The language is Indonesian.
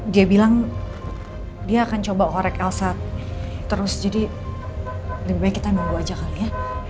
dia bilang dia akan coba korek elsa terus jadi lebih baik kita nunggu aja kali ya